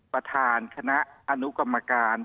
ประธานคณะอนุกรรมการ